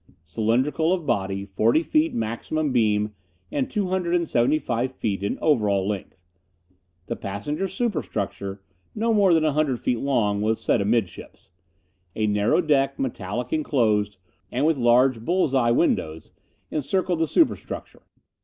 Cylindrical of body, forty feet maximum beam, and two hundred and seventy five feet in overall length. The passenger superstructure no more than a hundred feet long was set amidships. A narrow deck, metallic enclosed, and with large bulls eye windows, encircled the superstructure.